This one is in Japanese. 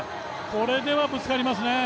これではぶつかりますね。